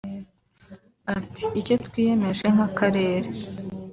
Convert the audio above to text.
Ati “Icyo twiyemeje nk’ akarere